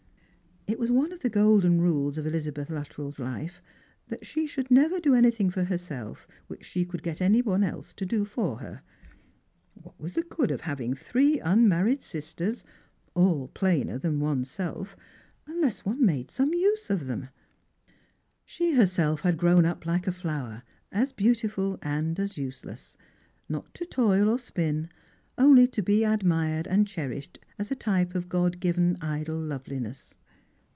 It was one of the golden rules of Elizabeth Luttrell's life that she should never do anything for herself which she could get any one else to do for her. What was the good of having three unmarried sisters — all plainer than one's self — unless one made some use of them P She herself had grown up like a flower, as beautiful and as useless ; not to toil or spin — only to be admired and cherished as a type of God given idle loveliness.